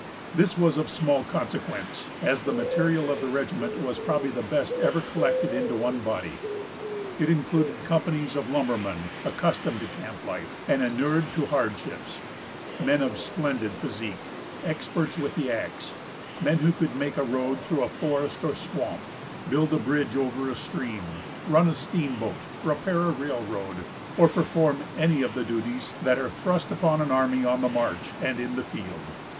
This was of small consequence, as the material of the regiment was probably the best ever collected into one body. It included companies of lumbermen, accustomed to camp life, and inured to hardships; men of splendid physique, experts with the axe; men who could make a road through a forest or swamp, build a bridge over a stream, run a steamboat, repair a railroad, or perform any of the duties that are thrust upon an army on the march and in the field.